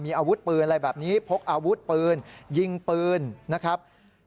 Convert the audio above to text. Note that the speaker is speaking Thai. มีอาวุธปืนอะไรแบบนี้พกอาวุธปืนยิงปืนนะครับ